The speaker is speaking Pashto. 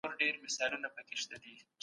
تر هغه چي لمر ډوبېده ما کار کړی و.